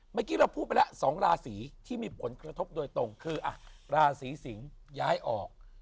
เมื่อกี้เราพูดไปแล้ว๒ราศีที่มีผลกระทบโดยตรงคือราศีสิงศ์ย้ายออก